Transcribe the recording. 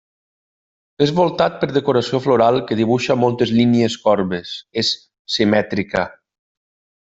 És voltat per decoració floral que dibuixa moltes línies corbes, és simètrica.